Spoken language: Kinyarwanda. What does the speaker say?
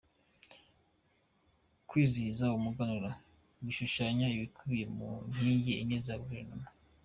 Kwizihiza Umuganura bishushanya ibikubiye mu nkingi enye za Guverinoma